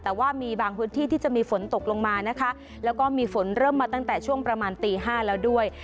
แต่ว่ามีบางพื้นที่ที่จะมีฝนตกลงมานะคะแล้วก็มีฝนเริ่มมาตั้งแต่ช่วงประมาณตีห้าแล้วด้วย